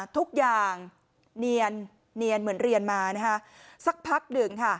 ทุกอย่างเนียนเหมือนเรียนมานะคะสักพักหนึ่งค่ะ